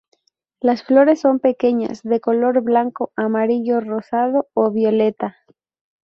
Las flores son pequeñas, de color blanco, amarillo, rosado o violeta.